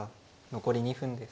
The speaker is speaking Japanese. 残り２分です。